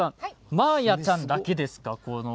マーヤちゃんだけなんですか。